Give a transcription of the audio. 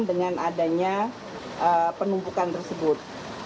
dengan adanya penumpukan tersebut